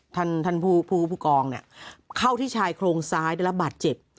ท่านท่านผู้กองเนี่ยเข้าที่ชายโครงซ้ายได้รับบาดเจ็บ